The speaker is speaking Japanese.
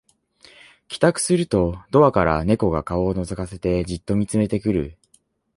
帰宅するとドアから猫が顔をのぞかせてじっと見つめてくる